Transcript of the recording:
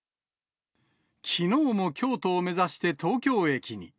きのうも京都を目指して東京駅に。